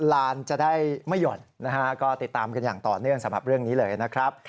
ลานจะได้ไม่หย่อนนะฮะก็ติดตามกันอย่างต่อเนื่องสำหรับเรื่องนี้เลยนะครับ